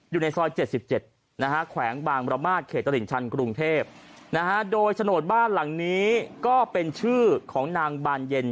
อยู่ในซอย๗๗แขวงบางมรมาศเขตตลิ่งชันกรุงเทพโดยโฉนดบ้านหลังนี้ก็เป็นชื่อของนางบานเย็น